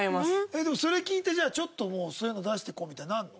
でもそれ聞いてじゃあちょっともうそういうの出していこうみたいになるの？